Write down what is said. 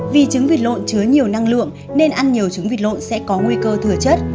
vì trứng vịt lộn chứa nhiều năng lượng nên ăn nhiều trứng vịt lộn sẽ có nguy cơ thừa chất